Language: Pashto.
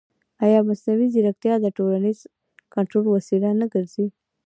ایا مصنوعي ځیرکتیا د ټولنیز کنټرول وسیله نه ګرځي؟